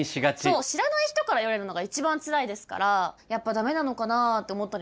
そう知らない人から言われるのが一番つらいですからやっぱダメなのかなって思ったりはします。